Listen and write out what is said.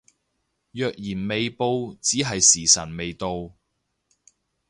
若然未報只係時辰未到